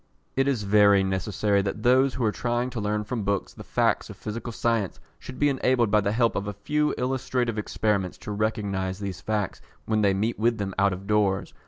It is very necessary that those who are trying to learn from books the facts of physical science should be enabled by the help of a few illustrative experiments to recognise these facts when they meet with them out of doors.